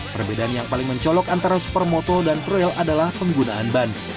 perbedaan yang paling mencolok antara supermoto dan troil adalah penggunaan ban